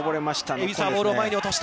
海老澤、ボールを前に落とした。